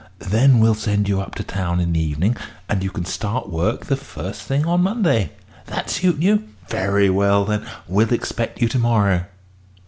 Then we'll send you up to town in the evening, and you can start work the first thing on Monday. That suit you? Very well, then. We'll expect you to morrow."